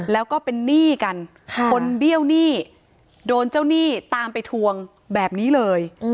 แล้วก็เป็นหนี้กันคนเบี้ยวหนี้โดนเจ้าหนี้ตามไปทวงแบบนี้เลย